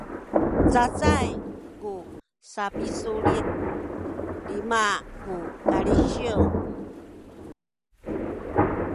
cacay ku sapisulit lima ku kalisiw